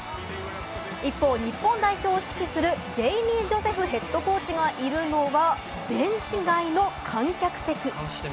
一方、日本代表を指揮するジェイミー・ジョセフヘッドコーチがいるのは、ベンチ外の観客席。